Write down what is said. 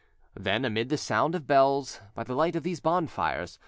Then, amid this sound of bells, by the light of these bonfires, M.